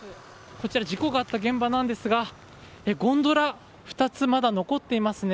こちら事故があった現場なんですがゴンドラ２つまだ残っていますね。